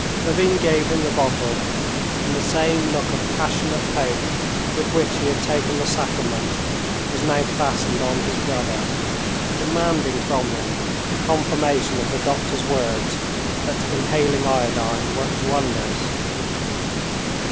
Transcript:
Levin gave him the bottle, and the same look of passionate hope with which he had taken the sacrament was now fastened on his brother, demanding from him the confirmation of the doctor's words that inhaling iodine worked wonders.